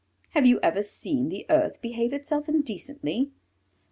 Have you ever seen the Earth behave itself indecently?